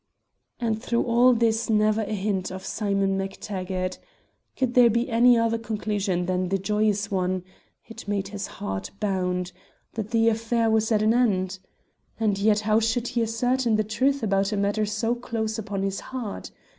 And through all this never a hint of Simon Mac Taggart! Could there be any other conclusion than the joyous one it made his heart bound! that that affair was at an end? And yet how should he ascertain the truth about a matter so close upon his heart?